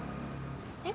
えっ？